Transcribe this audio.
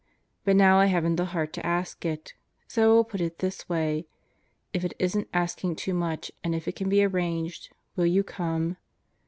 But now I haven't the heart to ask it. So I will put it this way: if it isn't asking too much and if it can be arranged, will you come?